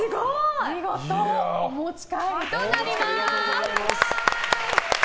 見事お持ち帰りとなります！